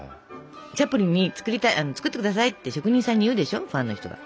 チャップリンに作って下さいって職人さんにいうでしょファンの人が。